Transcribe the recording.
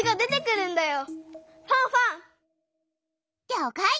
りょうかい！